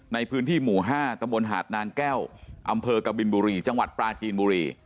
ในพื้นที่หมู่๕ตะบนหาดนางแก้วอำเภอกบินบุรีจังหวัดปลาจีนบุรี